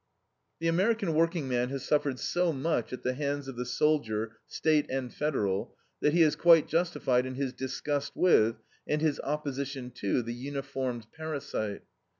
The American workingman has suffered so much at the hands of the soldier, State, and Federal, that he is quite justified in his disgust with, and his opposition to, the uniformed parasite.